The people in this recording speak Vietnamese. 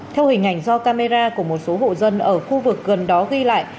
theo hình ảnh do camera của một số hộ dân ở khu vực gần đó ghi lại